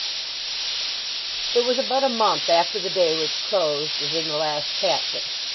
It was about a month after the day which closed as in the last chapter.